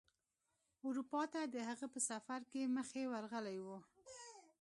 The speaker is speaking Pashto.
اروپا ته د هغه په سفر کې مخې ورغلی و.